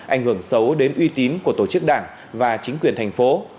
ảnh hưởng xấu đến uy tín của tổ chức đảng và chính quyền thành phố